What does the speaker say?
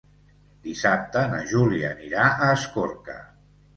Dissabte na Júlia anirà a Escorca.